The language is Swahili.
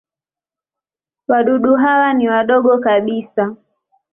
Wadudu hawa ni wadogo kabisa.